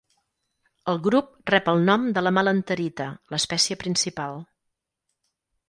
El grup rep el nom de la melanterita, l'espècie principal.